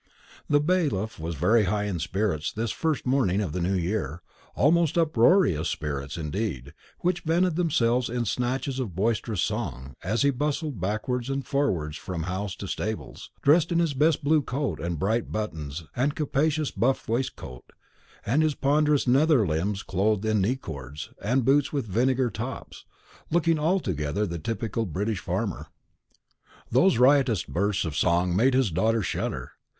The bailiff was in very high spirits this first morning of the new year almost uproarious spirits indeed, which vented themselves in snatches of boisterous song, as he bustled backwards and forwards from house to stables, dressed in his best blue coat and bright buttons and a capacious buff waistcoat; with his ponderous nether limbs clothed in knee cords, and boots with vinegar tops; looking altogether the typical British farmer. Those riotous bursts of song made his daughter shudder.